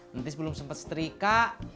nanti belum sempet seterika